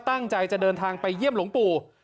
ตั้งใจจะเดินทางไปเยี่ยมหลวงปู่